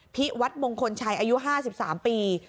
พิวัฒน์มงคลชัยอายุ๕๓ปี